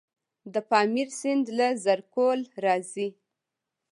د پامیر سیند له زرکول راځي